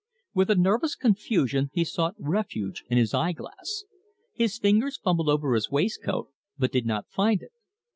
With a nervous confusion he sought refuge in his eye glass. His fingers fumbled over his waistcoat, but did not find it.